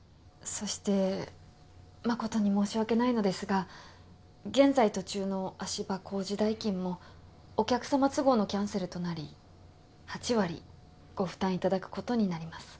そして誠に申し訳ないのですが現在途中の足場工事代金もお客様都合のキャンセルとなり８割ご負担いただくことになります。